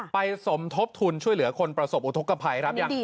สมทบทุนช่วยเหลือคนประสบอุทธกภัยครับ